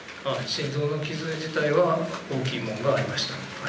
心臓の傷自体は大きいものがありました。